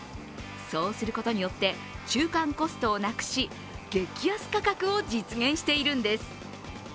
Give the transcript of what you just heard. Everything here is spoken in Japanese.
そうすることによって中間コストをなくし激安価格を実現しているんです。